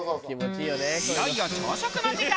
いよいよ朝食の時間。